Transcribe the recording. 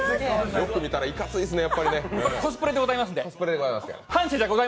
よく見たらいかついですね。